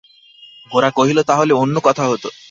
গোরা কহিল, তা হলে অন্য কথা হত।